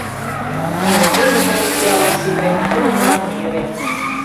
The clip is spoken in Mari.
Неужели мыйын пиалан шӱдырем курымлан йӧрен?